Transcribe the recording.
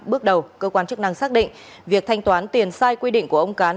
bước đầu cơ quan chức năng xác định việc thanh toán tiền sai quy định của ông cán